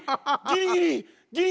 ギリギリ！